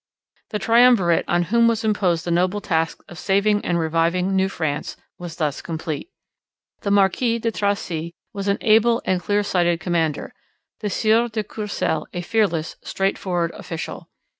The triumvirate on whom was imposed the noble task of saving and reviving New France was thus complete. The Marquis de Tracy was an able and clear sighted commander, the Sieur de Courcelle a fearless, straightforward official.